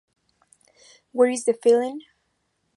Where is the feeling?